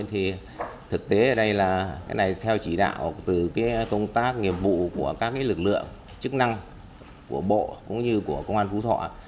thì đây là cái này theo chỉ đạo từ công tác nghiệp vụ của các lực lượng chức năng của bộ cũng như của công an phú thọ